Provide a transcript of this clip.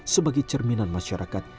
sebagai cerminan masyarakat